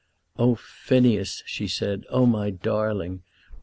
"Oh, Phineas," she said, "Oh, my darling!